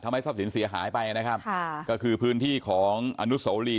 ทำให้ทรัพย์สินเสียหายไปนะครับค่ะก็คือพื้นที่ของอนุโสรี